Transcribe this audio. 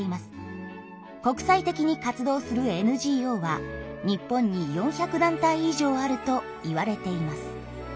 国際的に活動するＮＧＯは日本に４００団体以上あるといわれています。